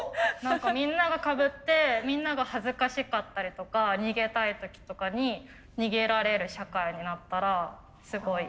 みんながかぶってみんなが恥ずかしかったりとか逃げたい時とかに逃げられる社会になったらすごいいい。